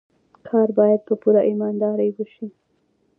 کار باید په پوره ایماندارۍ وشي.